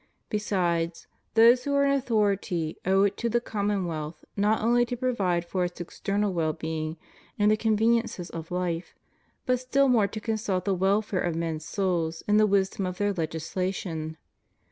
Besides, those who are in authority owe it to the commonwealth not only to provide for its external well being and the conveniences of life, but still more to consult the welfare of men's souls in the wisdom of their legislation.